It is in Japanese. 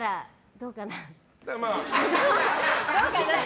どうかな？